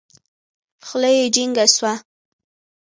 خوله يې جينګه سوه.